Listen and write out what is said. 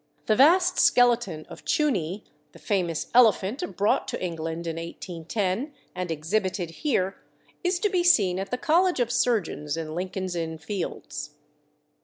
The vast skeleton of Chunee, the famous elephant, brought to England in 1810, and exhibited here, is to be seen at the College of Surgeons in Lincoln's Inn Fields.